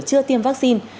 chưa tiêm vaccine